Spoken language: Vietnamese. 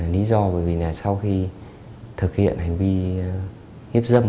lý do là sau khi thực hiện hành vi hiếp dâm